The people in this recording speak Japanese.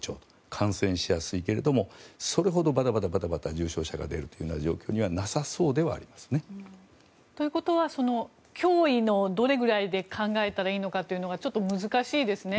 感染しやすいけどもそれほどバタバタ重症者が出るような状況ではなさそうではありますね。ということは脅威のどれぐらいで考えたらいいのかというのはちょっと難しいですね。